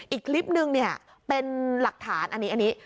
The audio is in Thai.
อีกคลิปนึงเนี่ยเป็นหลักฐานอันนี้